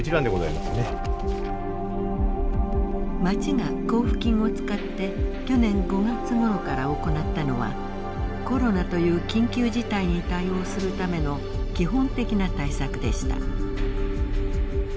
町が交付金を使って去年５月ごろから行ったのはコロナという緊急事態に対応するための基本的な対策でした。